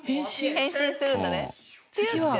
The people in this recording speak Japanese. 変身するんだね。